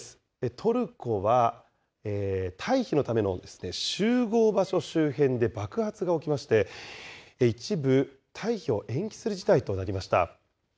トルコは退避のための集合場所周辺で爆発が起きまして、一部、退避を延期する事態となりました。